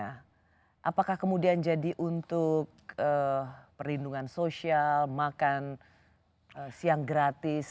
apakah kemudian jadi untuk perlindungan sosial makan siang gratis